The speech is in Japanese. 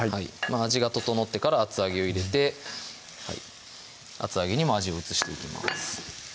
味が調ってから厚揚げを入れて厚揚げにも味を移していきます